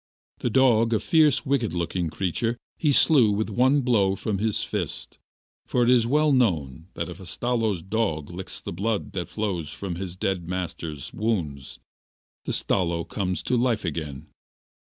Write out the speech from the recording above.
The dog, a fierce, wicked looking creature, he slew with one blow from his fist, for it is well known that if a Stalo's dog licks the blood that flows from his dead master's wounds the Stalo comes to life again.